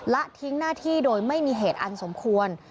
และทิ้งหน้าที่โดยไม่มีเหตุอันสมควร